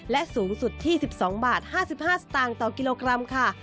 และสูงสุดที่๑๒๕๕บาทต่อกิโลกรัมค่ะ